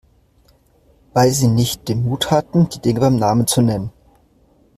Weil Sie nicht den Mut hatten, die Dinge beim Namen zu nennen.